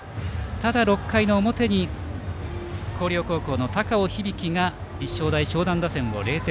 ただ、６回の表に広陵高校の高尾響が立正大淞南打線を０点。